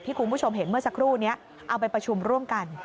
คุณผู้ชมเห็นเมื่อสักครู่นี้เอาไปประชุมร่วมกัน